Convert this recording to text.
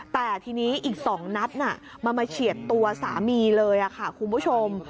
แต่ทีนี้อีก๒นัดมันมาเฉียดตัวสามีเลยค่ะคุณผู้ชม